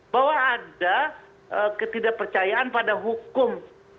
bahwa ada ketidakpercayaan pada hukum